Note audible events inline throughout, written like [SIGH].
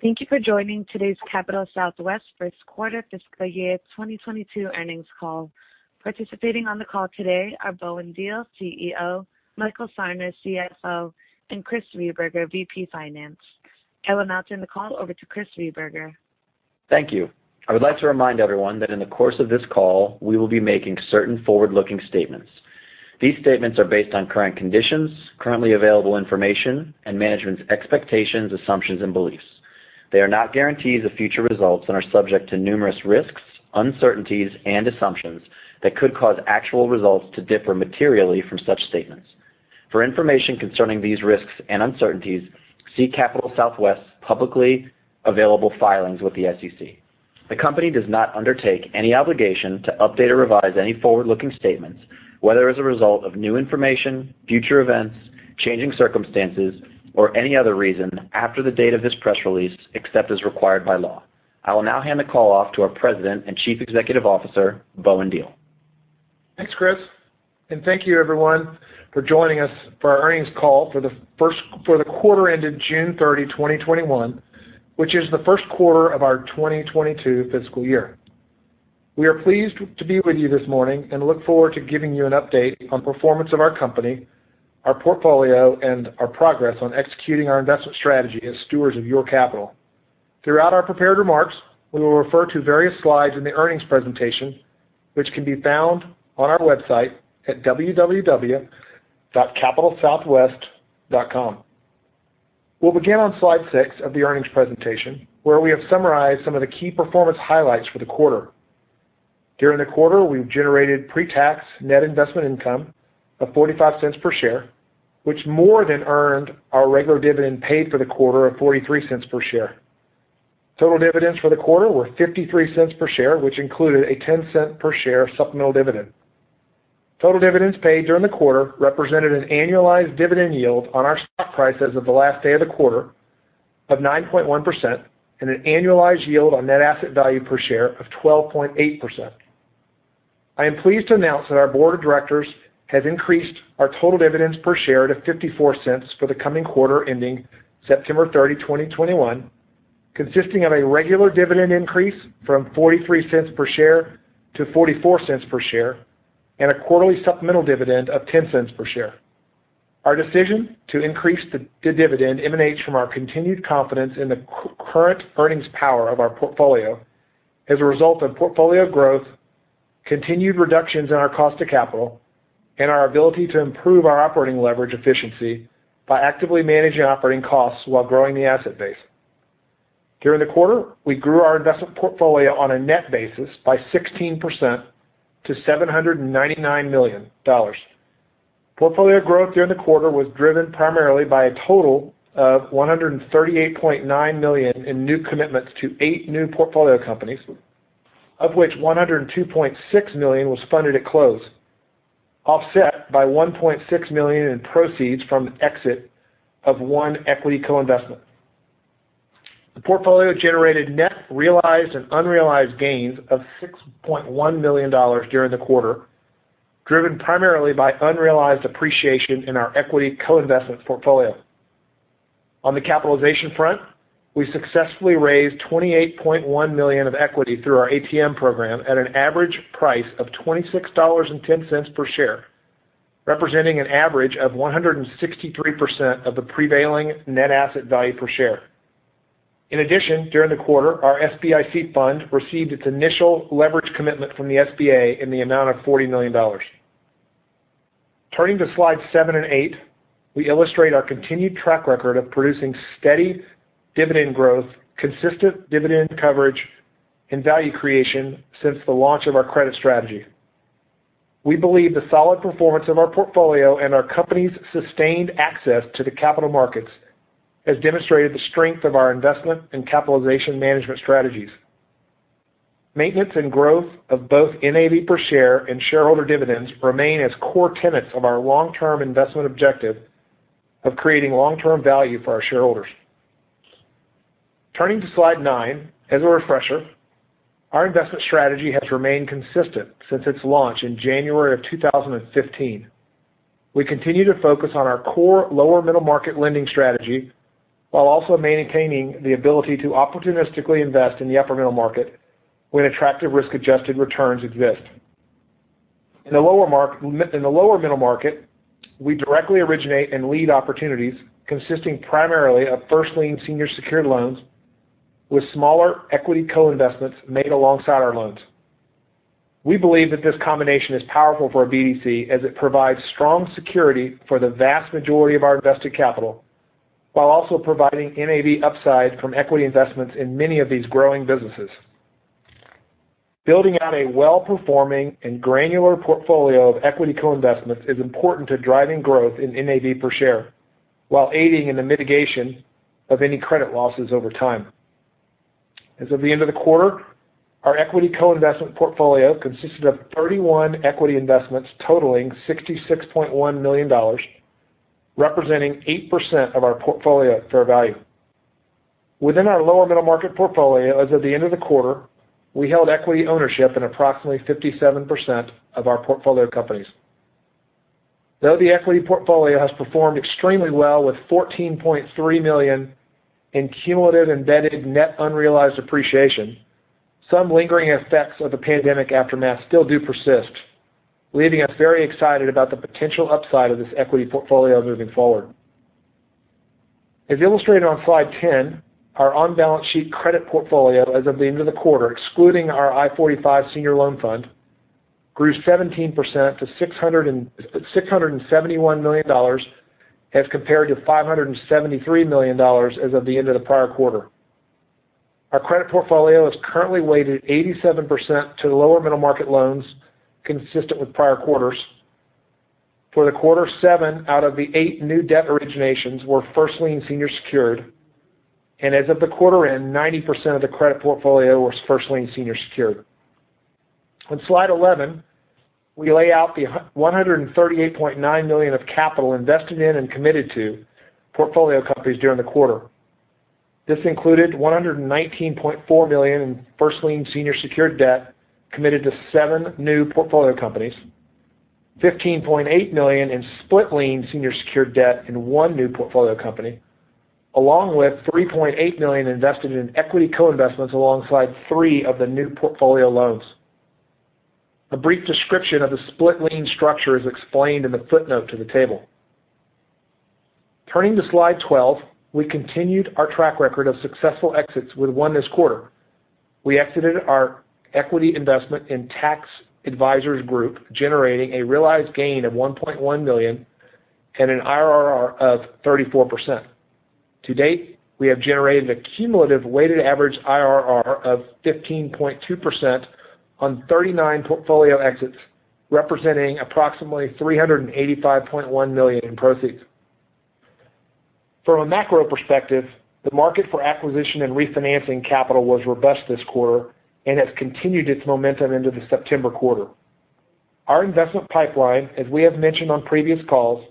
Thank you for joining today's Capital Southwest first quarter fiscal year 2022 earnings call. Participating on the call today are Bowen Diehl, Chief Executive Officer, Michael Sarner, Chief Financial Officer, and Chris Rehberger, VP Finance. I will now turn the call over to Chris Rehberger. Thank you. I would like to remind everyone that in the course of this call, we will be making certain forward-looking statements. These statements are based on current conditions, currently available information, and management's expectations, assumptions, and beliefs. They are not guarantees of future results and are subject to numerous risks, uncertainties, and assumptions that could cause actual results to differ materially from such statements. For information concerning these risks and uncertainties, see Capital Southwest's publicly available filings with the Securities and Exchange Commission. The company does not undertake any obligation to update or revise any forward-looking statements, whether as a result of new information, future events, changing circumstances, or any other reason after the date of this press release, except as required by law. I will now hand the call off to our President and Chief Executive Officer, Bowen Diehl. Thanks, Chris, and thank you, everyone for joining us for our earnings call for the quarter ended June 30, 2021, which is the first quarter of our 2022 fiscal year. We are pleased to be with you this morning and look forward to giving you an update on the performance of our company, our portfolio, and our progress on executing our investment strategy as stewards of your capital. Throughout our prepared remarks, we will refer to various slides in the earnings presentation, which can be found on our website at www.capitalsouthwest.com. We'll begin on slide 6 of the earnings presentation, where we have summarized some of the key performance highlights for the quarter. During the quarter, we've generated pre-tax net investment income of $0.45 per share, which more than earned our regular dividend paid for the quarter of $0.43 per share. Total dividends for the quarter were $0.53 per share, which included a $0.10 per share supplemental dividend. Total dividends paid during the quarter represented an annualized dividend yield on our stock price as of the last day of the quarter of 9.1%, and an annualized yield on net asset value per share of 12.8%. I am pleased to announce that our Board of Directors has increased our total dividends per share to $0.54 for the coming quarter ending September 30, 2021, consisting of a regular dividend increase from $0.43 per share to $0.44 per share, and a quarterly supplemental dividend of $0.10 per share. Our decision to increase the dividend emanates from our continued confidence in the current earnings power of our portfolio as a result of portfolio growth, continued reductions in our cost of capital, and our ability to improve our operating leverage efficiency by actively managing operating costs while growing the asset base. During the quarter, we grew our investment portfolio on a net basis by 16% to $799 million. Portfolio growth during the quarter was driven primarily by a total of $138.9 million in new commitments to eight new portfolio companies, of which $102.6 million was funded at close, offset by $1.6 million in proceeds from exit of one equity co-investment. The portfolio generated net realized and unrealized gains of $6.1 million during the quarter, driven primarily by unrealized appreciation in our equity co-investment portfolio. On the capitalization front, we successfully raised $28.1 million of equity through our at-the-market program at an average price of $26.10 per share, representing an average of 163% of the prevailing net asset value per share. In addition, during the quarter, our Small Business Investment Company fund received its initial leverage commitment from the Small Business Administration in the amount of $40 million. Turning to slides seven and eight, we illustrate our continued track record of producing steady dividend growth, consistent dividend coverage, and value creation since the launch of our credit strategy. We believe the solid performance of our portfolio and our company's sustained access to the capital markets has demonstrated the strength of our investment and capitalization management strategies. Maintenance and growth of both Net Asset Value per share and shareholder dividends remain as core tenets of our long-term investment objective of creating long-term value for our shareholders. Turning to slide nine, as a refresher, our investment strategy has remained consistent since its launch in January of 2015. We continue to focus on our core lower middle-market lending strategy while also maintaining the ability to opportunistically invest in the upper middle market when attractive risk-adjusted returns exist. In the lower middle market, we directly originate and lead opportunities consisting primarily of first-lien senior secured loans with smaller equity co-investments made alongside our loans. We believe that this combination is powerful for a BDC as it provides strong security for the vast majority of our invested capital, while also providing NAV upside from equity investments in many of these growing businesses. Building out a well-performing and granular portfolio of equity co-investments is important to driving growth in NAV per share, while aiding in the mitigation of any credit losses over time. As of the end of the quarter, our equity co-investment portfolio consisted of 31 equity investments totaling $66.1 million, representing 8% of our portfolio fair value. Within our lower middle market portfolio as of the end of the quarter, we held equity ownership in approximately 57% of our portfolio companies. Though the equity portfolio has performed extremely well with $14.3 million in cumulative embedded net unrealized appreciation, some lingering effects of the pandemic aftermath still do persist, leaving us very excited about the potential upside of this equity portfolio moving forward. As illustrated on slide 10, our on-balance sheet credit portfolio as of the end of the quarter, excluding our I-45 Senior Loan Fund, grew 17% to $671 million as compared to $573 million as of the end of the prior quarter. Our credit portfolio is currently weighted 87% to the lower middle market loans consistent with prior quarters. For the quarter, seven out of the eight new debt originations were first lien senior secured, and as of the quarter end, 90% of the credit portfolio was first lien senior secured. On slide 11, we lay out the $138.9 million of capital invested in and committed to portfolio companies during the quarter. This included $119.4 million in first lien senior secured debt committed to seven new portfolio companies, $15.8 million in split lien senior secured debt in one new portfolio company, along with $3.8 million invested in equity co-investments alongside three of the new portfolio loans. A brief description of the split lien structure is explained in the footnote to the table. Turning to slide 12, we continued our track record of successful exits with one this quarter. We exited our equity investment in Tax Advisors Group, generating a realized gain of $1.1 million and an Internal Rate of Return of 34%. To date, we have generated a cumulative weighted average IRR of 15.2% on 39 portfolio exits, representing approximately $385.1 million in proceeds. From a macro perspective, the market for acquisition and refinancing capital was robust this quarter and has continued its momentum into the September quarter. Our investment pipeline, as we have mentioned on previous calls,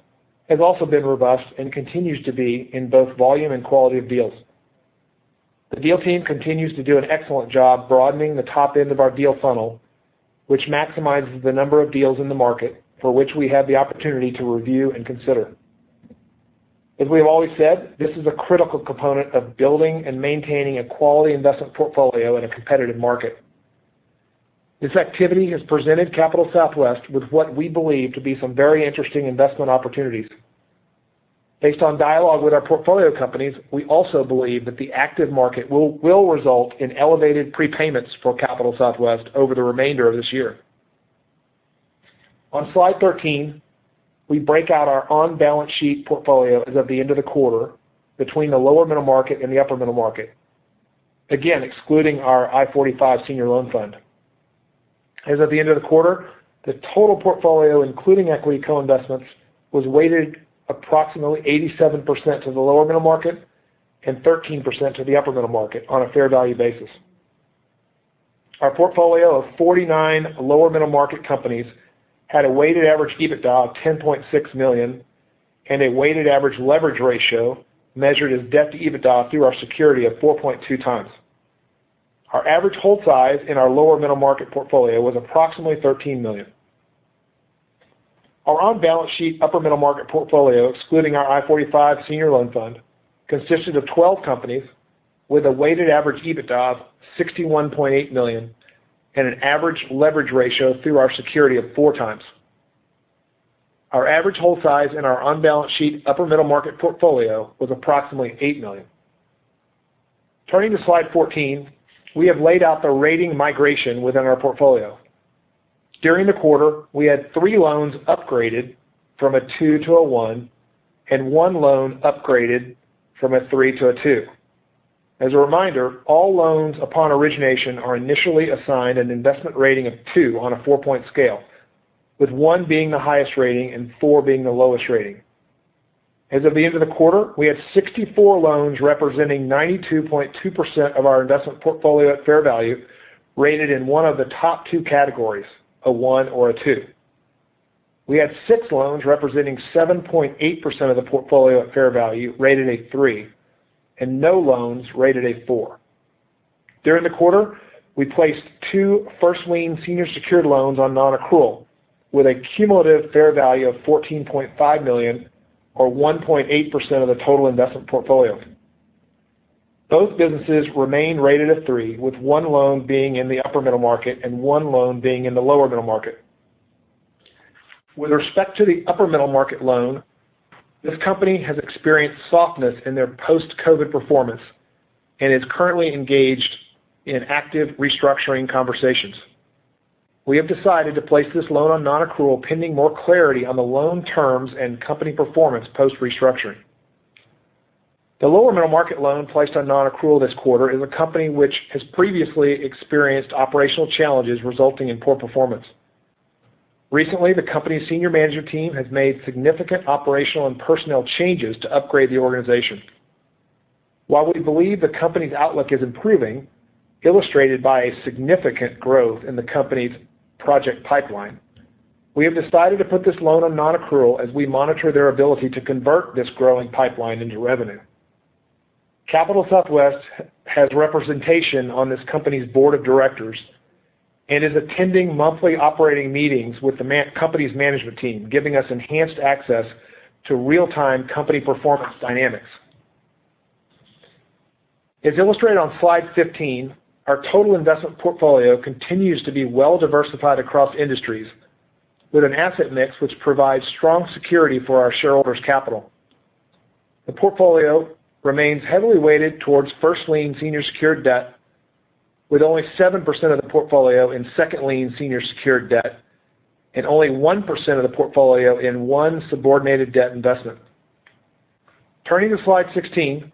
has also been robust and continues to be in both volume and quality of deals. The deal team continues to do an excellent job broadening the top end of our deal funnel, which maximizes the number of deals in the market for which we have the opportunity to review and consider. As we have always said, this is a critical component of building and maintaining a quality investment portfolio in a competitive market. This activity has presented Capital Southwest with what we believe to be some very interesting investment opportunities. Based on dialogue with our portfolio companies, we also believe that the active market will result in elevated prepayments for Capital Southwest over the remainder of this year. On slide 13, we break out our on-balance sheet portfolio as of the end of the quarter between the lower middle market and the upper middle market, again, excluding our I-45 Senior Loan Fund. As of the end of the quarter, the total portfolio, including equity co-investments, was weighted approximately 87% to the lower middle market and 13% to the upper middle market on a fair value basis. Our portfolio of 49 lower middle market companies had a weighted average EBITDA of $10.6 million and a weighted average leverage ratio measured as Debt to EBITDA through our security of 4.2x. Our average hold size in our lower middle market portfolio was approximately $13 million. Our on-balance sheet upper middle market portfolio, excluding our I-45 Senior Loan Fund, consisted of 12 companies with a weighted average EBITDA of $61.8 million and an average leverage ratio through our security of 4x. Our average hold size in our on-balance sheet upper middle market portfolio was approximately $8 million. Turning to slide 14, we have laid out the rating migration within our portfolio. During the quarter, we had three loans upgraded from a 2:1 and one loan upgraded from a 3:2. As a reminder, all loans upon origination are initially assigned an investment rating of two on a 4-point scale, with one being the highest rating and four being the lowest rating. As of the end of the quarter, we had 64 loans representing 92.2% of our investment portfolio at fair value rated in one of the top two categories, a one or a two. We had six loans representing 7.8% of the portfolio at fair value rated a three, and no loans rated a four. During the quarter, we placed two first lien senior secured loans on nonaccrual with a cumulative fair value of $14.5 million or 1.8% of the total investment portfolio. Both businesses remain rated a three, with one loan being in the upper middle market and one loan being in the lower middle market. With respect to the upper middle market loan, this company has experienced softness in their post-COVID performance and is currently engaged in active restructuring conversations. We have decided to place this loan on nonaccrual pending more clarity on the loan terms and company performance post-restructuring. The lower middle market loan placed on nonaccrual this quarter is a company which has previously experienced operational challenges resulting in poor performance. Recently, the company's senior management team has made significant operational and personnel changes to upgrade the organization. While we believe the company's outlook is improving, illustrated by a significant growth in the company's project pipeline, we have decided to put this loan on nonaccrual as we monitor their ability to convert this growing pipeline into revenue. Capital Southwest has representation on this company's board of directors and is attending monthly operating meetings with the company's management team, giving us enhanced access to real-time company performance dynamics. As illustrated on slide 15, our total investment portfolio continues to be well-diversified across industries with an asset mix which provides strong security for our shareholders' capital. The portfolio remains heavily weighted towards first-lien senior secured debt, with only 7% of the portfolio in second-lien senior secured debt, and only 1% of the portfolio in one subordinated debt investment. Turning to slide 16,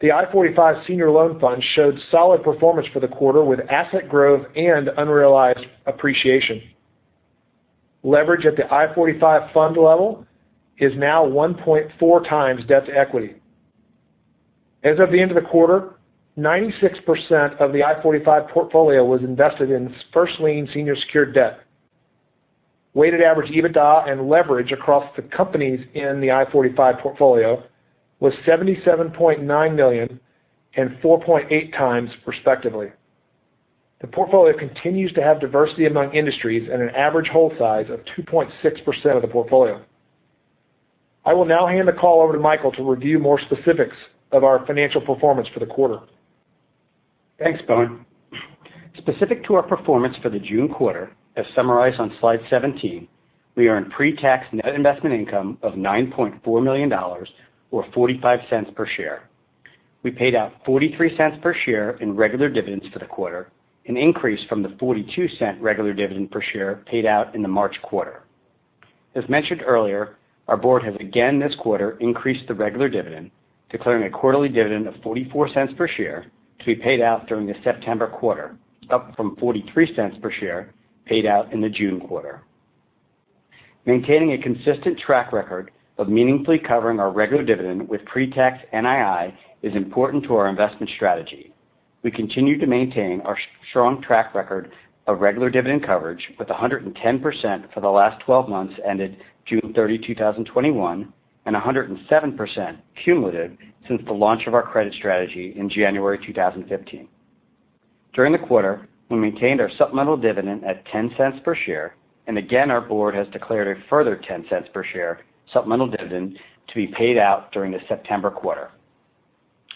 the I-45 Senior Loan Fund showed solid performance for the quarter with asset growth and unrealized appreciation. Leverage at the I-45 fund level is now 1.4x Debt-to-Equity. As of the end of the quarter, 96% of the I-45 portfolio was invested in first-lien senior secured debt. Weighted average EBITDA and leverage across the companies in the I-45 portfolio was $77.9 million and 4.8x respectively. The portfolio continues to have diversity among industries and an average hold size of 2.6% of the portfolio. I will now hand the call over to Michael Sarner to review more specifics of our financial performance for the quarter. Thanks, Bowen. Specific to our performance for the June quarter, as summarized on slide 17, we are in pre-tax net investment income of $9.4 million, or $0.45 per share. We paid out $0.43 per share in regular dividends for the quarter, an increase from the $0.42 regular dividend per share paid out in the March quarter. As mentioned earlier, our board has again this quarter increased the regular dividend, declaring a quarterly dividend of $0.44 per share to be paid out during the September quarter, up from $0.43 per share paid out in the June quarter. Maintaining a consistent track record of meaningfully covering our regular dividend with pre-tax NII is important to our investment strategy. We continue to maintain our strong track record of regular dividend coverage with 110% for the last 12 months ended June 30, 2021, and 107% cumulative since the launch of our credit strategy in January 2015. During the quarter, we maintained our supplemental dividend at $0.10 per share, and again, our board has declared a further $0.10 per share supplemental dividend to be paid out during the September quarter.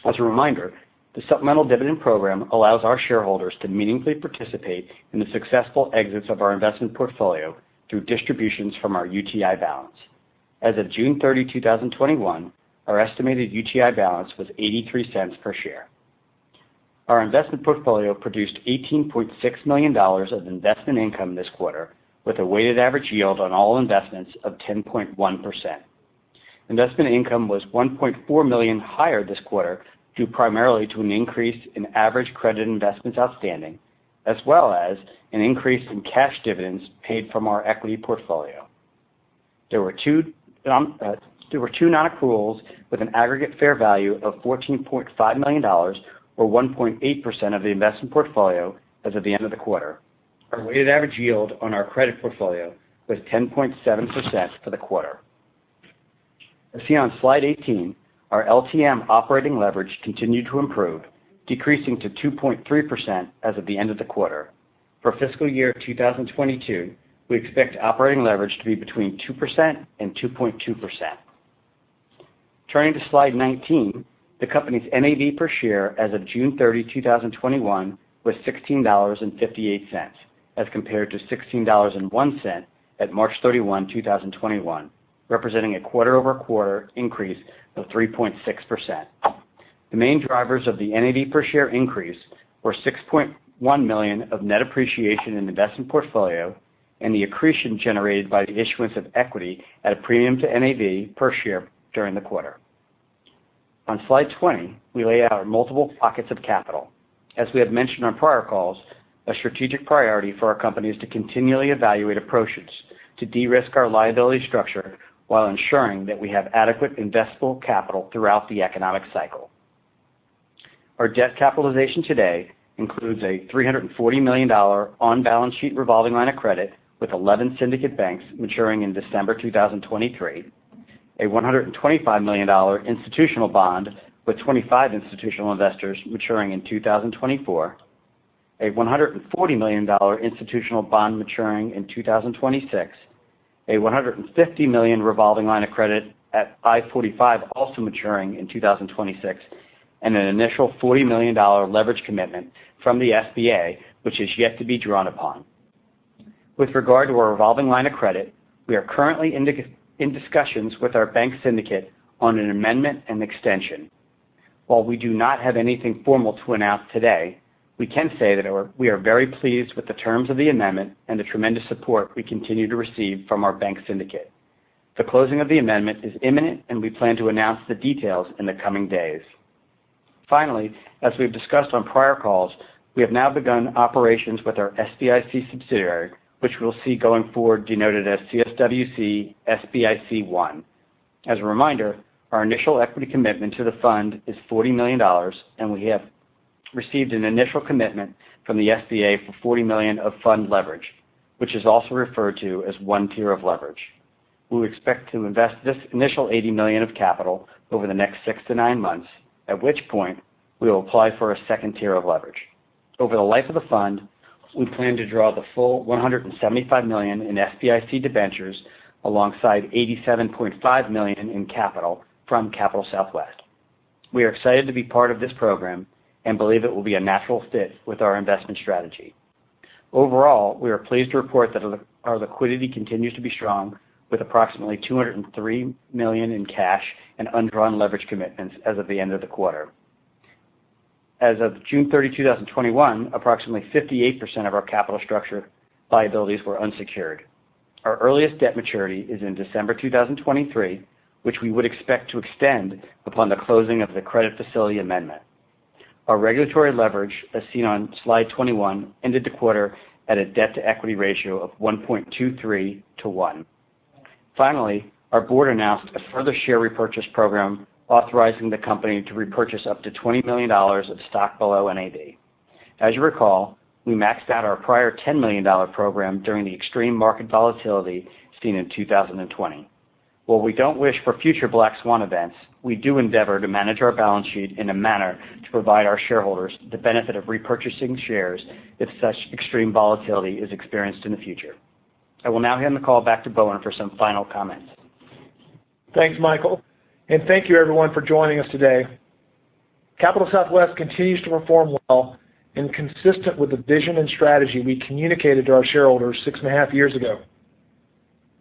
As a reminder, the supplemental dividend program allows our shareholders to meaningfully participate in the successful exits of our investment portfolio through distributions from our Undistributed Taxable Income balance. As of June 30, 2021, our estimated UTI balance was $0.83 per share. Our investment portfolio produced $18.6 million of investment income this quarter, with a weighted average yield on all investments of 10.1%. Investment income was $1.4 million higher this quarter, due primarily to an increase in average credit investments outstanding, as well as an increase in cash dividends paid from our equity portfolio. There were two non-accruals with an aggregate fair value of $14.5 million or 1.8% of the investment portfolio as of the end of the quarter. Our weighted average yield on our credit portfolio was 10.7% for the quarter. As seen on slide 18, our last twelve months operating leverage continued to improve, decreasing to 2.3% as of the end of the quarter. For fiscal year 2022, we expect operating leverage to be between 2% and 2.2%. Turning to slide 19, the company's NAV per share as of June 30, 2021, was $16.58 as compared to $16.01 at March 31, 2021, representing a quarter-over-quarter increase of 3.6%. The main drivers of the NAV per share increase were $6.1 million of net appreciation in investment portfolio and the accretion generated by the issuance of equity at a premium to NAV per share during the quarter. On slide 20, we lay out our multiple pockets of capital. As we have mentioned on prior calls, a strategic priority for our company is to continually evaluate approaches to de-risk our liability structure while ensuring that we have adequate investable capital throughout the economic cycle. Our debt capitalization today includes a $340 million on-balance sheet revolving line of credit with 11 syndicate banks maturing in December 2023, a $125 million institutional bond with 25 institutional investors maturing in 2024, a $140 million institutional bond maturing in 2026, a $150 million revolving line of credit at I-45 also maturing in 2026, and an initial $40 million leverage commitment from the SBA, which is yet to be drawn upon. With regard to our revolving line of credit, we are currently in discussions with our bank syndicate on an amendment and extension. While we do not have anything formal to announce today, we can say that we are very pleased with the terms of the amendment and the tremendous support we continue to receive from our bank syndicate. The closing of the amendment is imminent, and we plan to announce the details in the coming days. Finally, as we've discussed on prior calls, we have now begun operations with our SBIC subsidiary, which we'll see going forward denoted as CSWC SBIC I. As a reminder, our initial equity commitment to the fund is $40 million, and we have received an initial commitment from the SBA for $40 million of fund leverage, which is also referred to as 1 tier of leverage. We expect to invest this initial $80 million of capital over the next six to nine months, at which point we will apply for a second Tier of leverage. Over the life of the fund, we plan to draw the full $175 million in SBIC debentures alongside $87.5 million in capital from Capital Southwest. We are excited to be part of this program and believe it will be a natural fit with our investment strategy. Overall, we are pleased to report that our liquidity continues to be strong with approximately $203 million in cash and undrawn leverage commitments as of the end of the quarter. As of June 30, 2021, approximately 58% of our capital structure liabilities were unsecured. Our earliest debt maturity is in December 2023, which we would expect to extend upon the closing of the credit facility amendment. Our regulatory leverage, as seen on slide 21, ended the quarter at a debt-to-equity ratio of 1.23:1. Finally, our board announced a further share repurchase program authorizing the company to repurchase up to $20 million of stock below NAV. As you recall, we maxed out our prior $10 million program during the extreme market volatility seen in 2020. While we don't wish for future black swan events, we do endeavor to manage our balance sheet in a manner to provide our shareholders the benefit of repurchasing shares if such extreme volatility is experienced in the future. I will now hand the call back to Bowen for some final comments. Thanks, Michael, and thank you, everyone, for joining us today. Capital Southwest continues to perform well and consistent with the vision and strategy we communicated to our shareholders six and a half years ago.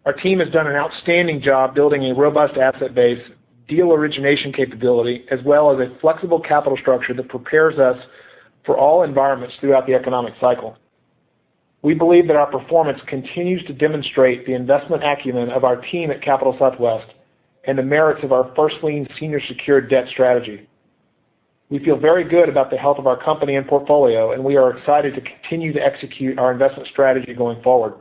Our team has done an outstanding job building a robust asset base deal origination capability as well as a flexible capital structure that prepares us for all environments throughout the economic cycle. We believe that our performance continues to demonstrate the investment acumen of our team at Capital Southwest and the merits of our first lien senior secured debt strategy. We feel very good about the health of our company and portfolio, and we are excited to continue to execute our investment strategy going forward.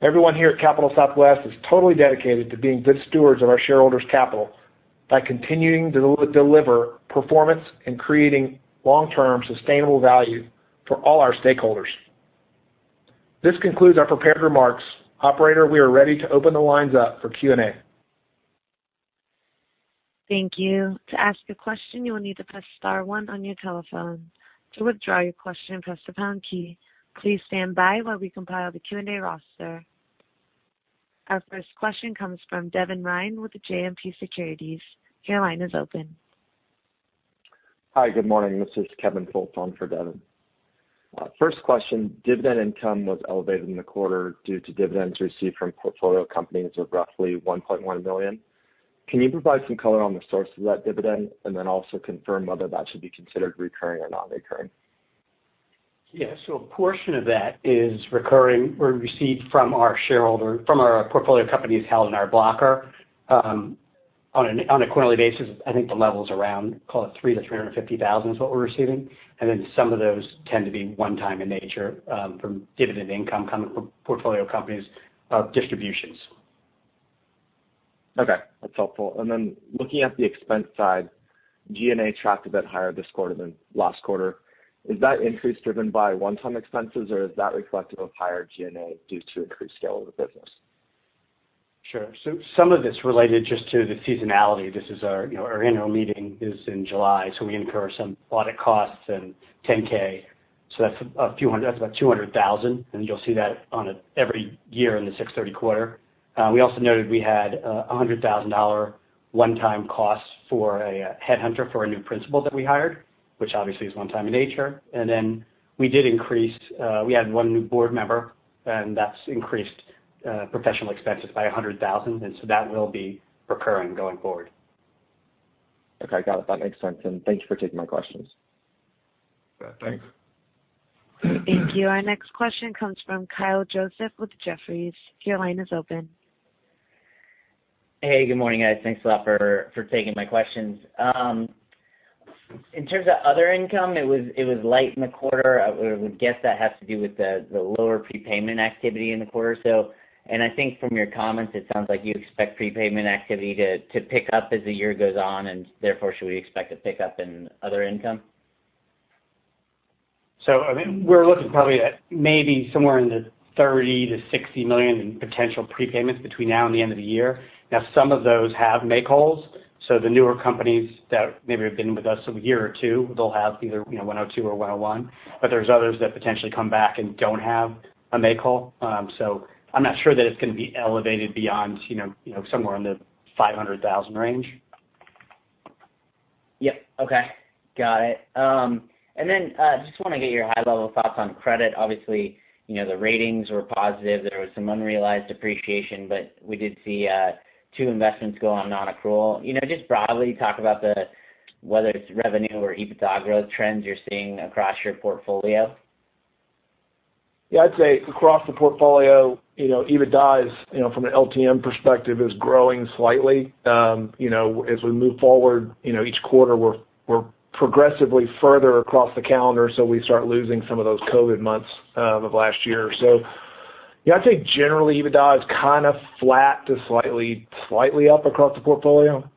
Everyone here at Capital Southwest is totally dedicated to being good stewards of our shareholders' capital by continuing to deliver performance and creating long-term sustainable value for all our stakeholders. This concludes our prepared remarks. Operator, we are ready to open the lines up for Q&A. Thank you. To ask a question, you will need to press star one on your telephone. To withdraw your question, press the pound key. Please stand by while we compile the Q&A roster. Our first question comes from Devin Ryan with JMP Securities. Your line is open. Hi. Good morning. This is Kevin Fultz for Devin Ryan. First question, dividend income was elevated in the quarter due to dividends received from portfolio companies of roughly $1.1 million. Can you provide some color on the source of that dividend and then also confirm whether that should be considered recurring or non-recurring? Yeah. A portion of that is recurring. We received from our portfolio companies held in our blocker. On a quarterly basis, I think the level's around, call it $300,000-$350,000 is what we're receiving. Some of those tend to be one-time in nature from dividend income coming from portfolio companies of distributions. Okay, that's helpful. Looking at the expense side, G&A tracked a bit higher this quarter than last quarter. Is that increase driven by one-time expenses or is that reflective of higher G&A due to increased scale of the business? Sure. Some of it's related just to the seasonality. Our annual meeting is in July, so we incur some audit costs and 10-K. That's about $200,000, and you'll see that every year in the 6/30 quarter. We also noted we had $100,000 one-time cost for a headhunter for a new principal that we hired, which obviously is one-time in nature. We had one new board member, and that's increased professional expenses by $100,000, and so that will be recurring going forward. Okay, got it. That makes sense. Thank you for taking my questions. Yeah. Thanks. Thank you. Our next question comes from Kyle Joseph with Jefferies. Your line is open. Hey. Good morning, guys. Thanks a lot for taking my questions. In terms of other income, it was light in the quarter. I would guess that has to do with the lower prepayment activity in the quarter. I think from your comments, it sounds like you expect prepayment activity to pick up as the year goes on and therefore should we expect a pickup in other income? We're looking probably at maybe somewhere in the $30 million-$60 million in potential prepayments between now and the end of the year. Some of those have make-wholes. The newer companies that maybe have been with us one or two, they'll have either 102 or 101, but there's others that potentially come back and don't have a make-whole. I'm not sure that it's going to be elevated beyond somewhere in the $500,000 range. Yep. Okay. Got it. Just want to get your high-level thoughts on credit. Obviously, the ratings were positive. There was some unrealized appreciation, but we did see two investments go on non-accrual. Just broadly talk about whether it's revenue or EBITDA growth trends you're seeing across your portfolio. Yeah, I'd say across the portfolio, EBITDA is, from an LTM perspective, is growing slightly. As we move forward, each quarter we're progressively further across the calendar, so we start losing some of those COVID months of last year. Yeah, I'd say generally EBITDA is kind of flat to slightly up across the portfolio.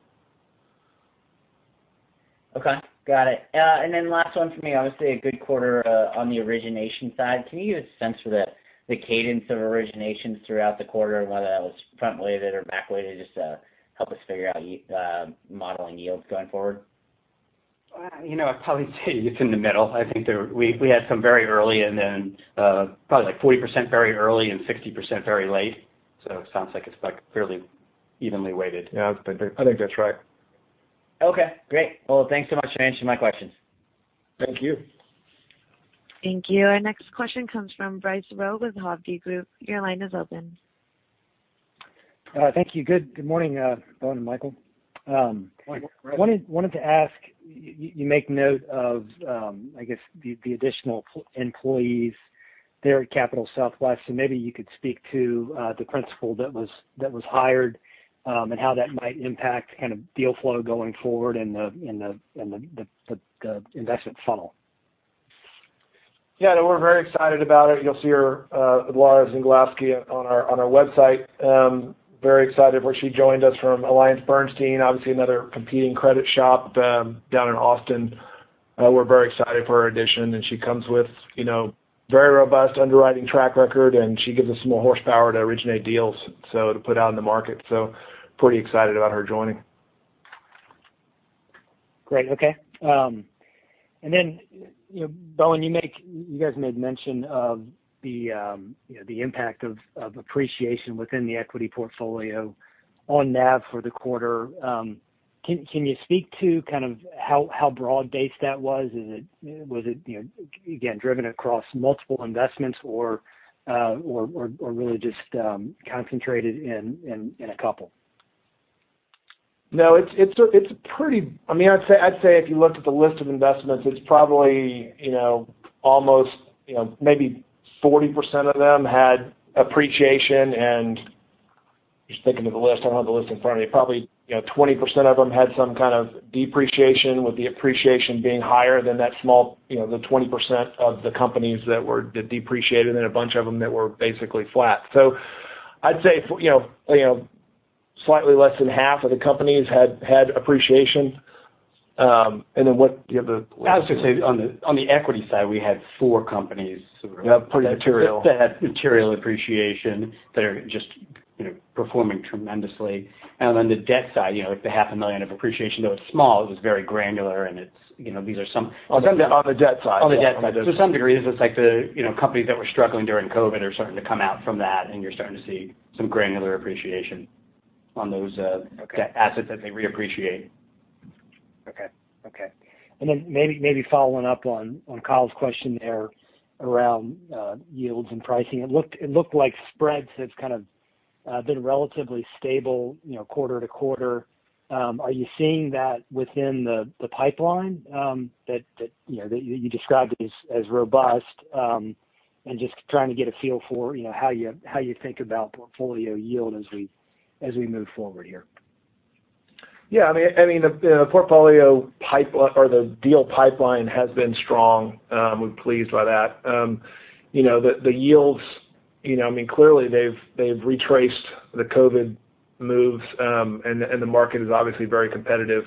Okay, got it. Last one for me, obviously a good quarter on the origination side. Can you give a sense for the cadence of originations throughout the quarter and whether that was front-weighted or back-weighted just to help us figure out modeling yields going forward? I'd probably say it's in the middle. I think we had some very early and then probably like 40% very early and 60% very late. It sounds like it's fairly evenly weighted. Yeah. I think that's right. Okay, great. Well, thanks so much for answering my questions. Thank you. Thank you. Our next question comes from Bryce Rowe with Hovde Group. Your line is open. Thank you. Good morning, Bowen and Michael. Morning, Bryce. Wanted to ask, you make note of, I guess, the additional employees there at Capital Southwest. Maybe you could speak to the principal that was hired, and how that might impact deal flow going forward in the investment funnel. Yeah, no, we're very excited about it. You'll see Laura Zengilowski on our website. Very excited where she joined us from AllianceBernstein, obviously another competing credit shop down in Austin. We're very excited for her addition, and she comes with very robust underwriting track record, and she gives us more horsepower to originate deals to put out in the market. Pretty excited about her joining. Great. Okay. Bowen, you guys made mention of the impact of appreciation within the equity portfolio on NAV for the quarter. Can you speak to how broad-based that was? Was it, again, driven across multiple investments or really just concentrated in a couple? I'd say if you looked at the list of investments, it's probably almost maybe 40% of them had appreciation and, just thinking of the list, I don't have the list in front of me. Probably 20% of them had some kind of depreciation with the appreciation being higher than that small 20% of the companies that depreciated. A bunch of them that were basically flat. I'd say slightly less than half of the companies had appreciation. What, do you have the. [CROSSTALK] I was going to say, on the equity side, we had four companies [CROSSTALK] that had material appreciation that are just performing tremendously. On the debt side, the $0.5 million of appreciation, though it's small, it was very granular. On the debt side. On the debt side. To some degree, this is like the companies that were struggling during COVID are starting to come out from that, and you're starting to see some granular appreciation on those [CROSSTALK] assets as they reappreciate. Okay. Maybe following up on Kyle's question there around yields and pricing. It looked like spreads have kind of been relatively stable quarter to quarter. Are you seeing that within the pipeline that you described as robust? Just trying to get a feel for how you think about portfolio yield as we move forward here. The portfolio pipe or the deal pipeline has been strong. We're pleased by that. The yields, clearly they've retraced the COVID moves. The market is obviously very competitive.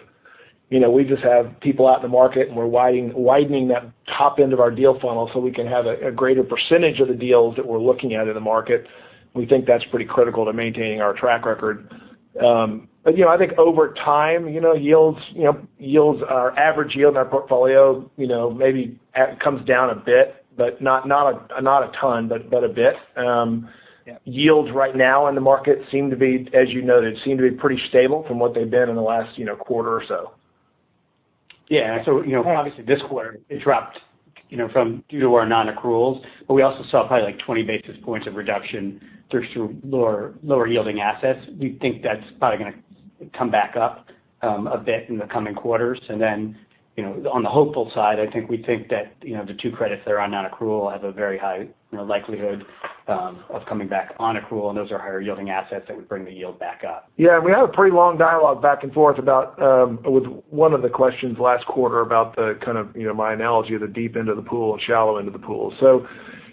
We just have people out in the market, and we're widening that top end of our deal funnel so we can have a greater percentage of the deals that we're looking at in the market. We think that's pretty critical to maintaining our track record. I think over time, our average yield in our portfolio maybe comes down a bit, but not a ton, but a bit. Yeah. Yields right now in the market seem to be, as you noted, seem to be pretty stable from what they've been in the last quarter or so. Yeah. Obviously this quarter it dropped due to our non-accruals, but we also saw probably like 20 basis points of reduction through lower yielding assets. We think that's probably going to come back up a bit in the coming quarters. On the hopeful side, I think we think that the two credits that are on non-accrual have a very high likelihood of coming back on accrual, and those are higher yielding assets that would bring the yield back up. Yeah. We had a pretty long dialogue back and forth about, with one of the questions last quarter about the kind of my analogy of the deep end of the pool and shallow end of the pool.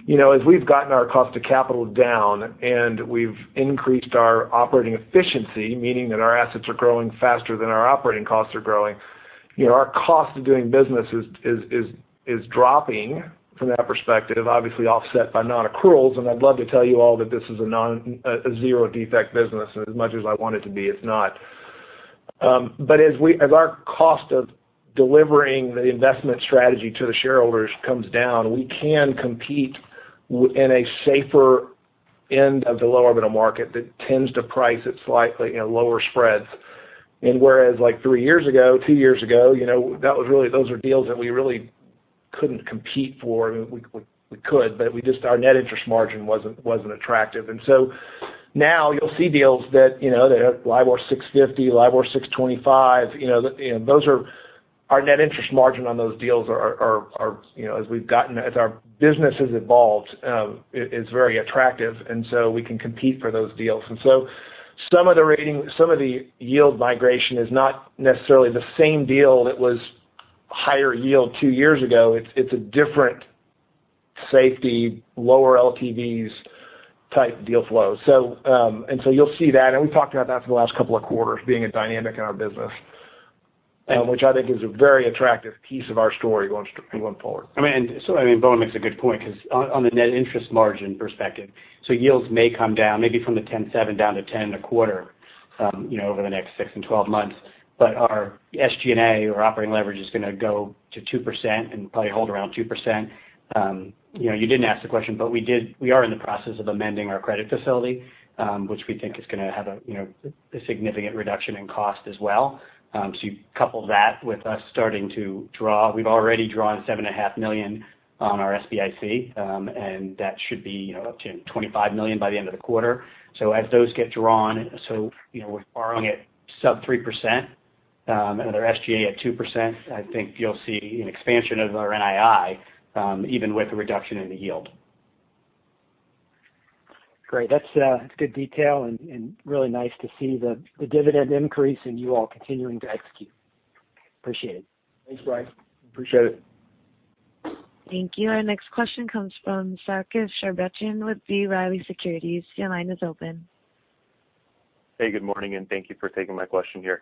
As we've gotten our cost of capital down and we've increased our operating efficiency, meaning that our assets are growing faster than our operating costs are growing. Our cost of doing business is dropping from that perspective, obviously offset by non-accruals. I'd love to tell you all that this is a zero-defect business. As much as I want it to be, it's not. As our cost of delivering the investment strategy to the shareholders comes down, we can compete in a safer end of the lower middle market that tends to price at slightly lower spreads. Whereas like three years ago, two years ago, those are deals that we really couldn't compete for. We could, but our net interest margin wasn't attractive. Now you'll see deals that are LIBOR 650, LIBOR 625. Our net interest margin on those deals, as our business has evolved, is very attractive, and so we can compete for those deals. Some of the yield migration is not necessarily the same deal that was higher yield two years ago. It's a different, safer, lower LTVs type deal flow. You'll see that, and we've talked about that for the last couple of quarters being a dynamic in our business, which I think is a very attractive piece of our story going forward. I mean, Bowen makes a good point because on the net interest margin perspective, yields may come down maybe from the 10.7% down to 10.25% over the next six and 12 months. Our SG&A or operating leverage is going to go to 2% and probably hold around 2%. You didn't ask the question, we are in the process of amending our credit facility, which we think is going to have a significant reduction in cost as well. You couple that with us starting to draw. We've already drawn $7.5 million on our SBIC, and that should be up to $25 million by the end of the quarter. As those get drawn, we're borrowing at sub 3%, and our SG&A at 2%. I think you'll see an expansion of our NII, even with a reduction in the yield. Great. That's good detail and really nice to see the dividend increase and you all continuing to execute. Appreciate it. Thanks, Bryce Rowe. Appreciate it. Thank you. Our next question comes from Sarkis Sherbetchyan with B. Riley Securities. Your line is open. Good morning, thank you for taking my question here.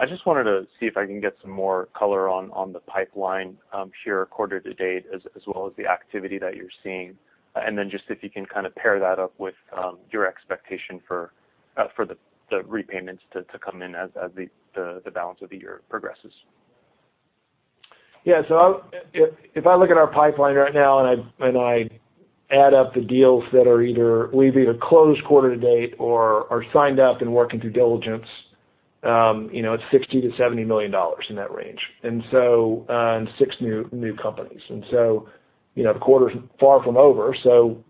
I just wanted to see if I can get some more color on the pipeline here quarter to date as well as the activity that you're seeing. Just if you can pair that up with your expectation for the repayments to come in as the balance of the year progresses. If I look at our pipeline right now and I add up the deals that we've either closed quarter to date or are signed up and working through diligence, it's $60 million-$70 million in that range, and six new companies. The quarter's far from over, so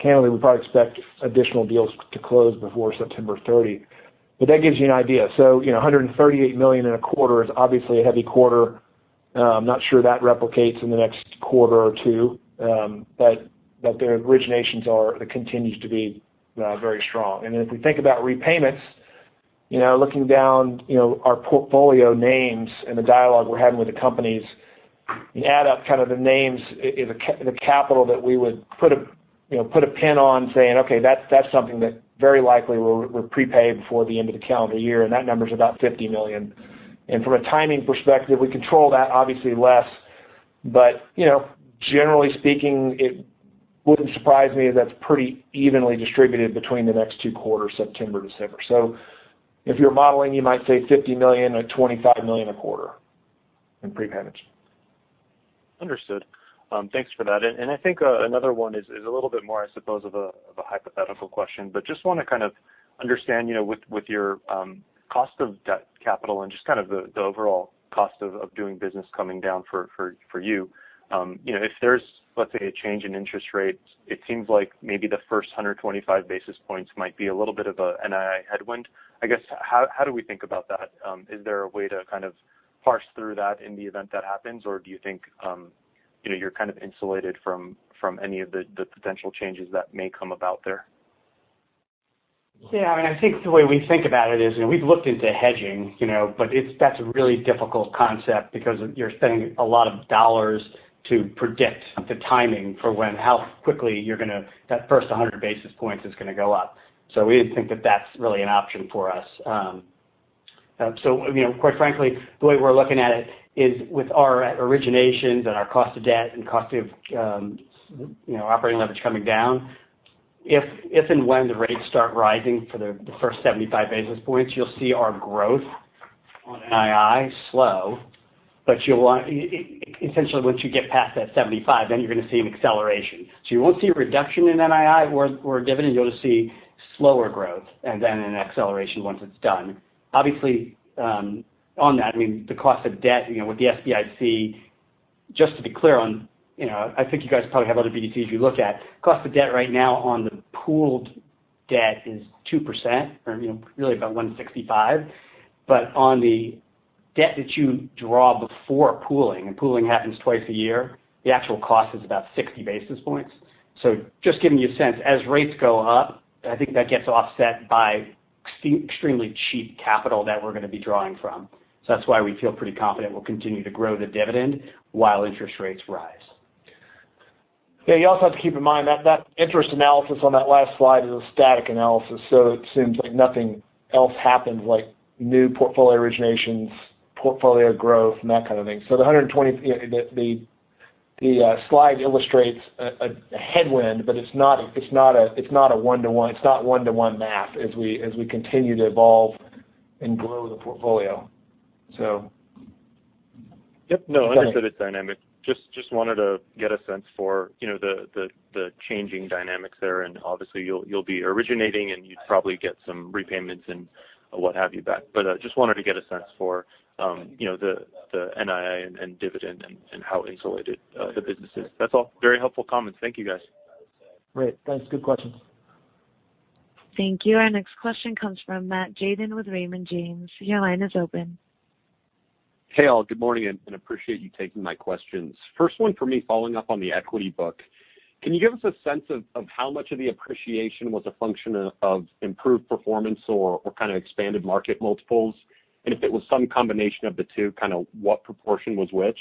candidly, we'd probably expect additional deals to close before September 30. That gives you an idea. $138 million in a quarter is obviously a heavy quarter. I'm not sure that replicates in the next quarter or two. The originations continues to be very strong. If we think about repayments, looking down our portfolio names and the dialogue we're having with the companies, you add up the names, the capital that we would put a pin on saying, "Okay, that's something that very likely will prepay before the end of the calendar year." That number's about $50 million. From a timing perspective, we control that obviously less. Generally speaking, it wouldn't surprise me if that's pretty evenly distributed between the next two quarters, September, [December]. If you're modeling, you might say $50 million or $25 million a quarter in prepayments. Understood. Thanks for that. I think another one is a little bit more, I suppose, of a hypothetical question, but just want to kind of understand with your cost of debt capital and just kind of the overall cost of doing business coming down for you. If there's, let's say, a change in interest rates, it seems like maybe the first 125 basis points might be a little bit of a NII headwind. I guess, how do we think about that? Is there a way to kind of parse through that in the event that happens? Or do you think you're kind of insulated from any of the potential changes that may come about there? Yeah. I think the way we think about it is, and we've looked into hedging. That's a really difficult concept because you're spending a lot of dollars to predict the timing for how quickly that first 100 basis points is going to go up. We didn't think that that's really an option for us. Quite frankly, the way we're looking at it is with our originations and our cost of debt and cost of operating leverage coming down. If and when the rates start rising for the first 75 basis points, you'll see our growth on NII slow. Essentially, once you get past that 75, you're going to see an acceleration. You won't see a reduction in NII or dividend. You'll just see slower growth and an acceleration once it's done. Obviously, on that, I mean, the cost of debt with the SBIC, just to be clear on, I think you guys probably have other BDCs you look at. Cost of debt right now on the pooled debt is 2%, or really about 165. On the debt that you draw before pooling, and pooling happens twice a year, the actual cost is about 60 basis points. Just giving you a sense, as rates go up, I think that gets offset by extremely cheap capital that we're going to be drawing from. That's why we feel pretty confident we'll continue to grow the dividend while interest rates rise. Yeah, you also have to keep in mind that that interest analysis on that last slide is a static analysis, so it seems like nothing else happened, like new portfolio originations, portfolio growth, and that kind of thing. The slide illustrates a headwind, but it's not 1:1 math as we continue to evolve and grow the portfolio. Yep. No, understood it's dynamic. Just wanted to get a sense for the changing dynamics there, and obviously, you'll be originating, and you'd probably get some repayments and what have you back. Just wanted to get a sense for the NII and dividend and how insulated the business is. That's all. Very helpful comments. Thank you, guys. Great. Thanks. Good question. Thank you. Our next question comes from Matt Tjaden with Raymond James. Your line is open. Hey, all. Good morning. Appreciate you taking my questions. First one for me following up on the equity book. Can you give us a sense of how much of the appreciation was a function of improved performance or kind of expanded market multiples? If it was some combination of the two, kind of what proportion was which?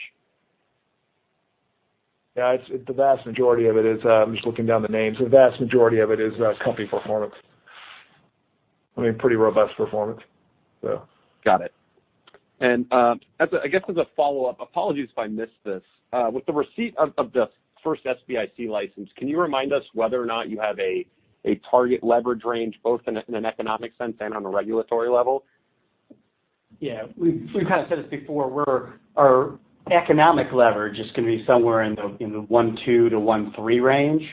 Yeah. I'm just looking down the names. The vast majority of it is company performance. I mean, pretty robust performance. Got it. I guess as a follow-up, apologies if I missed this. With the receipt of the first SBIC license, can you remind us whether or not you have a target leverage range, both in an economic sense and on a regulatory level? Yeah. We've kind of said this before, our economic leverage is going to be somewhere in the 1.2x-1.3x range,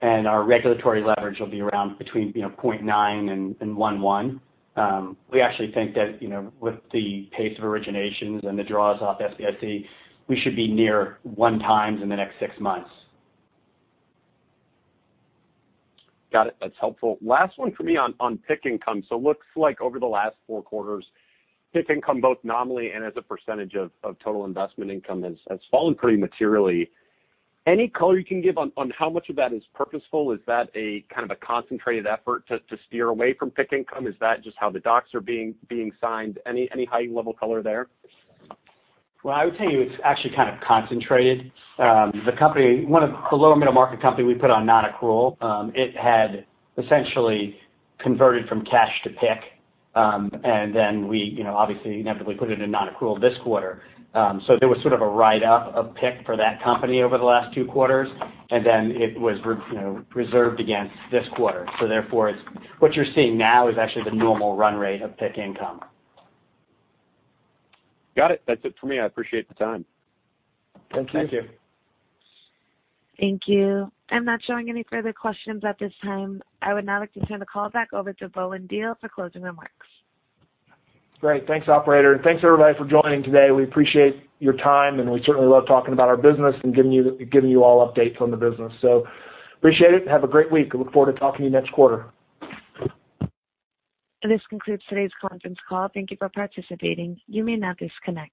and our regulatory leverage will be around between 0.9x and 1.1x. We actually think that with the pace of originations and the draws off SBIC, we should be near 1x in the next six months. Got it. That's helpful. Last one for me on Payment-in-Kind income. Looks like over the last four quarters, PIK income, both nominally and as a percentage of total investment income, has fallen pretty materially. Any color you can give on how much of that is purposeful? Is that a kind of a concentrated effort to steer away from PIK income? Is that just how the docs are being signed? Any high-level color there? Well, I would tell you it's actually kind of concentrated. A lower middle market company we put on non-accrual. It had essentially converted from cash to PIK, and then we obviously inevitably put it in non-accrual this quarter. There was sort of a write-up of PIK for that company over the last two quarters, and then it was reserved against this quarter. Therefore, what you're seeing now is actually the normal run rate of PIK income. Got it. That's it for me. I appreciate the time. Thank you. Thank you. Thank you. I am not showing any further questions at this time. I would now like to turn the call back over to Bowen Diehl for closing remarks. Great. Thanks, operator. Thanks, everybody, for joining today. We appreciate your time, and we certainly love talking about our business and giving you all updates on the business. Appreciate it. Have a great week. I look forward to talking to you next quarter. This concludes today's conference call. Thank you for participating. You may now disconnect.